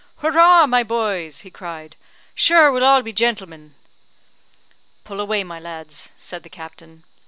"Whurrah! my boys!" he cried, "Shure we'll all be jintlemen!" "Pull away, my lads!" said the captain.